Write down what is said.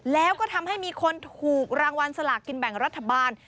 แล้วก็ทำให้มีคนถูกรางวัลสลากกินแบ่งรัฐบาล